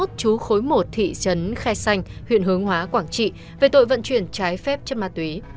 trú khối một thị trấn khe xanh huyện hướng hóa quảng trị về tội vận chuyển trái phép chất ma túy